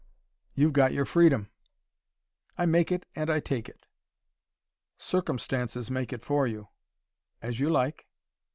"You've got your freedom." "I make it and I take it." "Circumstances make it for you." "As you like."